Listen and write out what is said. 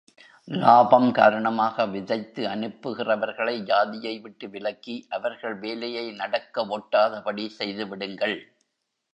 லாபம் காரணமாக விதைத்து அனுப்புகிறவர்களை ஜாதியை விட்டு விலக்கி, அவர்கள் வேலையை நடக்க வொட்டாதபடி செய்துவிடுங்கள்.